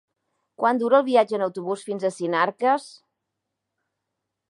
Quant dura el viatge en autobús fins a Sinarques?